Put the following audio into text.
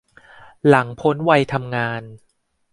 หลังพ้นวัยทำงาน